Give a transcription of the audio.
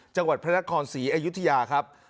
จังหวัดพระนครศรีอยุธยาครับ